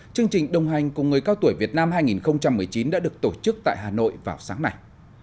chương trình đồng hành cùng người cao tuổi việt nam hai nghìn một mươi chín đã được tổ chức tại hà nội vào sáng nay